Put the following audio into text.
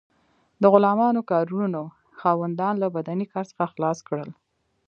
د غلامانو کارونو خاوندان له بدني کار څخه خلاص کړل.